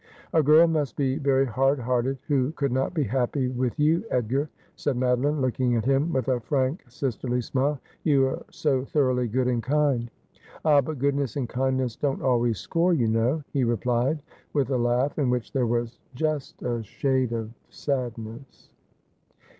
' A girl must be very hard hearted who could not be happy with you, Edgar,' said Madoline, looking at him with a frank sisterly smile. ' You are so thoroughly good and kind.' 'Ah, but goodness and kindness don't always score, you know,' he replied, with a laugh in which there was just a shade of sadness.